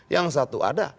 yang satu ada